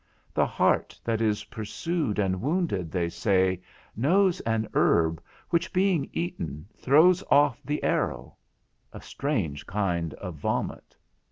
The hart that is pursued and wounded, they say, knows an herb, which being eaten throws off the arrow: a strange kind of vomit.